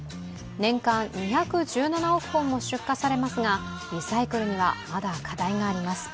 年間２１７億本も出荷されますが、リサイクルにはまだ課題があります。